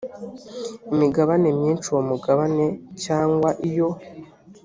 imigabane myinshi uwo mugabane cyangwa iyo